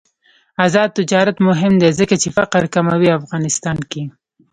آزاد تجارت مهم دی ځکه چې فقر کموي افغانستان کې.